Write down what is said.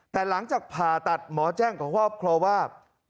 แต่หลังจากผ่าตัดหมอแจ้งกับครอบครัวว่า